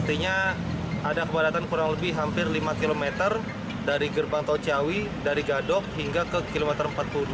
artinya ada kepadatan kurang lebih hampir lima km dari gerbang tol ciawi dari gadok hingga ke kilometer empat puluh dua